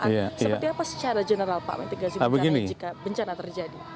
seperti apa secara general pak mitigasi bencana jika bencana terjadi